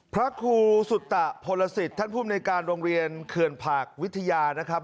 พระครูสุตะพลสิทธิ์ท่านภูมิในการโรงเรียนเขื่อนผักวิทยานะครับ